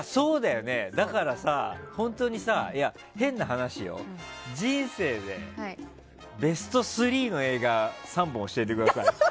だからさ、本当にさ変な話よ人生でベスト３の映画３本教えてください。